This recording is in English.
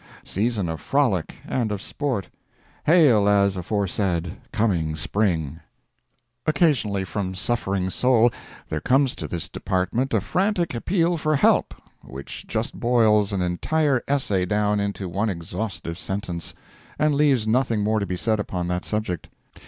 Season of frolic and of sport, Hail, as aforesaid, coming Spring! Occasionally from suffering soul there comes to this department a frantic appeal for help, which just boils an entire essay down into one exhaustive sentence, and leaves nothing more to be said upon that subject.